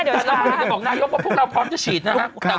เราจะบอกนายกว่าพวกเราพร้อมจะฉีดนะฮะ